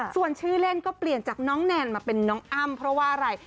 ส่วนชื่อเล่นก็เปลี่ยนจากน้องแนนมาเป็นน้องอ้ำเพราะว่าอะไร